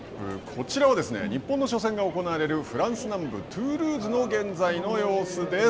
こちらは、日本の初戦が行われるフランス南部、トゥールーズの現在の様子です。